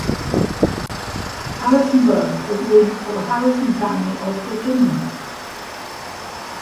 Harrisonburg was named for the Harrison family of Virginia.